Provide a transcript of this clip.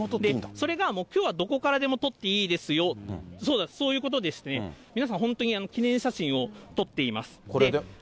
それが、もうきょうはどこからでも撮っていいですよ、そういうことでしてね、皆さん本当に記念写真を撮っています。